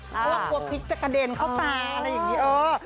เพราะว่ากลัวพริกจะกระเด็นเข้าไป